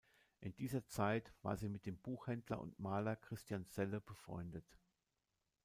In dieser Zeit war sie mit dem Buchhändler und Maler Christian Selle befreundet.